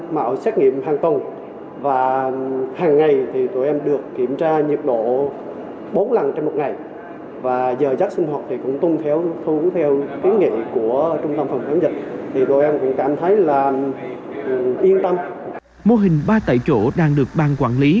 mô hình ba tại chỗ đang được bang quản lý